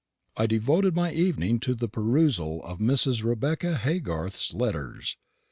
I devoted my evening to the perusal of Mrs. Rebecca Haygarth's letters.